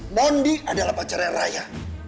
mondi adalah pacarnya raya